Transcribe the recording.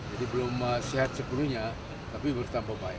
jadi belum sehat sepenuhnya tapi bertambah baik